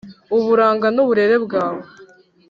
uburanga n’uburere byawe